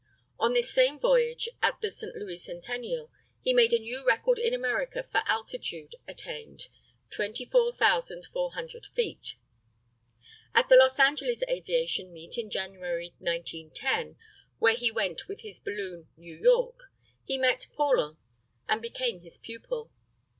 On this same voyage, at the St. Louis Centennial, he made a new record in America for altitude attained, 24,400 feet. At the Los Angeles aviation meet, in January, 1910, where he went with his balloon New York, he met Paulhan, and became his pupil.